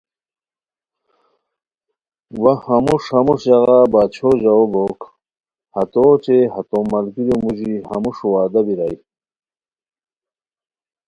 وا ہموݰ ہموݰ ژاغا باچھو ژاوؤ بوک ہتو اوچے ہتو ملگیریو موژی ہموݰ وعدہ بیرائے